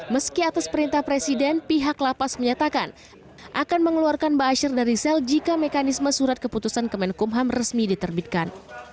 meski atas perintah presiden pihak lapas menyatakan akan mengeluarkan ⁇ baasyir ⁇ dari sel jika mekanisme surat keputusan kemenkumham resmi diterbitkan